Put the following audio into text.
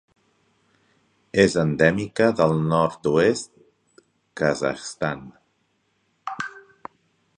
És endèmica del nord-oest Kazakhstan.